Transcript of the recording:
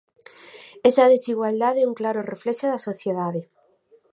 Esa desigualdade é un claro reflexo da sociedade.